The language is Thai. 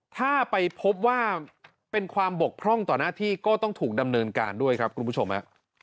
ถ้าไปพบว่าเป็นความบกพร่องต่อหน้าที่ก็ต้องถูกดำเนินการด้วยครับคุณผู้ชมฮะ